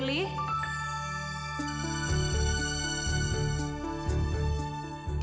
ibu apa kabar